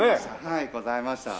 はいございました。